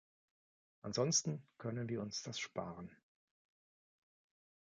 Ansonsten können wir uns das sparen.